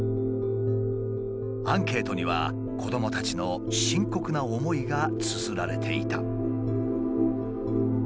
アンケートには子どもたちの深刻な思いがつづられていた。